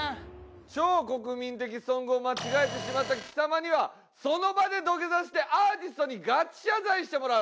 超国民的ソングを間違えてしまった貴様にはその場で土下座してアーティストにガチ謝罪してもらう。